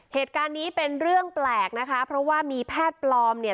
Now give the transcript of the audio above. เหตุการณ์นี้เป็นเรื่องแปลกนะคะเพราะว่ามีแพทย์ปลอมเนี่ย